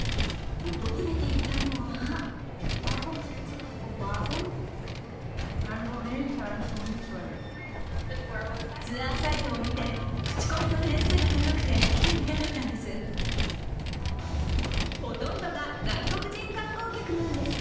訪れていたのはほとんどが外国人観光客なんです。